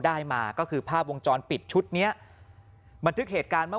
ได้มาก็คือภาพวงจรปิดชุดเนี้ยบันทึกเหตุการณ์เมื่อ